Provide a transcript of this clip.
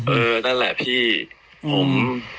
เออนั่นแหละพี่ผม